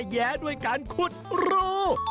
แย้ด้วยการขุดรู